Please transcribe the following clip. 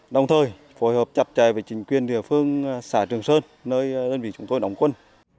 đồng thời phối hợp chặt chẽ với chính quyền địa phương xã trường sơn nơi đơn vị chúng tôi đóng quân